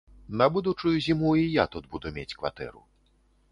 На будучую зіму і я тут буду мець кватэру.